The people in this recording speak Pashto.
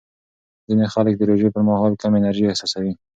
ځینې خلک د روژې پر مهال کم انرژي احساسوي.